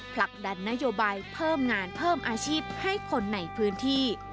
ผลักดันนโยบายเพิ่มงานเพิ่มอาชีพให้คนในพื้นที่